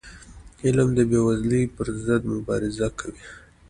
علم د بېوزلی پر ضد مبارزه کوي.